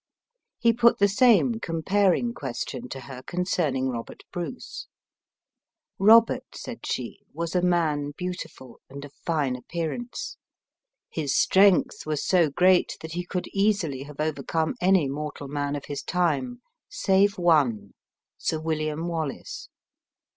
He put the same comparing question to her concerning Robert Bruce. 'Robert,' said she, 'was a man beautiful, and of fine appearance. His strength was so great that he could easily have overcome any mortal man of his time, save one Sir William Wallace!